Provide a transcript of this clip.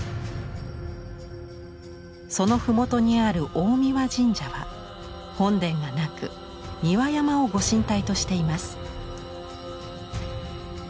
その麓にある大神神社は本殿がなく三輪山を御神体としています。